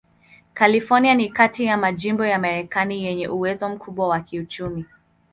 California ni kati ya majimbo ya Marekani yenye uwezo mkubwa wa kiuchumi.